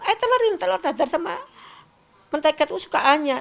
eh telur telur dadar sama mentega itu suka hanya